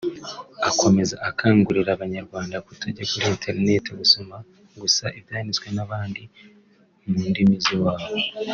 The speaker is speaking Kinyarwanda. Akomeza akangurira Abanyarwanda kutajya kuri Internet gusoma gusa ibyanditswe n’abandi mu ndimi z’iwabo